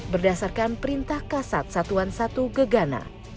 berdasarkan perintah kasat satuan satu gegana